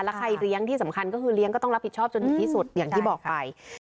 แล้วใครเลี้ยงที่สำคัญก็คือเลี้ยงก็ต้องรับผิดชอบจนถึงที่สุดอย่างที่บอกไป